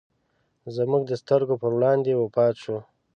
زموږ د سترګو پر وړاندې وفات شو.